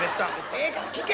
ええから聞け！